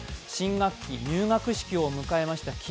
新学期、入学式を迎えました